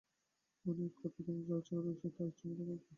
মানে, এক কথায়, তোমার যা ইচ্ছে তা করার ক্ষমতা আছে।